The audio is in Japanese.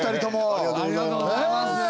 ありがとうございます。